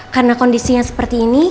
karena kondisinya seperti ini